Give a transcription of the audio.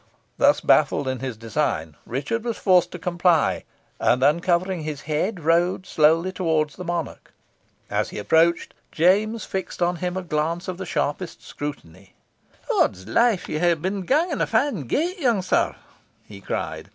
Thus, baffled in his design, Richard was forced to comply, and, uncovering his head, rode slowly towards the monarch. As he approached, James fixed on him a glance of sharpest scrutiny. "Odds life! ye hae been ganging a fine gait, young sir," he cried.